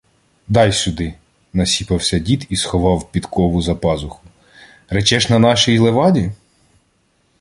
— Дай сюди — насіпався дід і сховав підкову за пазуху. — Речеш, на нашій леваді?